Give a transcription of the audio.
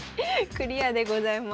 クリアでございます。